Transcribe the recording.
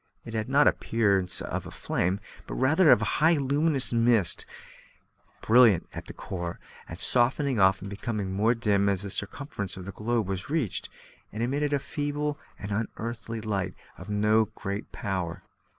It had not the appearance of flame, but rather of highly luminous mist, brilliant at the core, and softening off and becoming more dim as the circumference of the globe was reached; and it emitted a feeble and unearthly light of no great power.